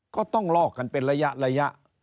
ก็ต้องลอกกันเป็นระยะ